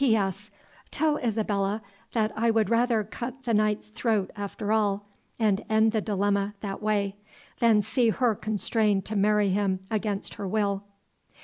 "P.S. Tell Isabella that I would rather cut the knight's throat after all, and end the dilemma that way, than see her constrained to marry him against her will."